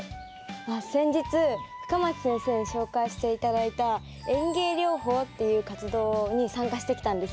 あっ先日深町先生に紹介して頂いた園芸療法っていう活動に参加してきたんです。